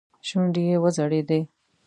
شونډې يې وځړېدې.